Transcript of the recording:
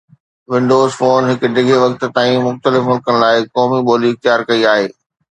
windows phone هڪ ڊگهي وقت تائين مختلف ملڪن لاء قومي ٻولي اختيار ڪئي آهي